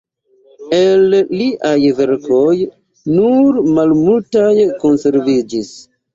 El liaj verkoj nur malmultaj konserviĝis.